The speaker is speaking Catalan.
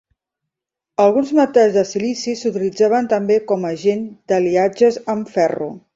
Alguns metalls de silici s'utilitzaven també com a agent d'aliatges amb ferro.